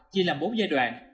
chia làm bốn giai đoạn